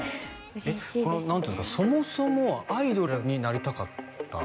っこの何ていうんですかそもそもアイドルになりたかった？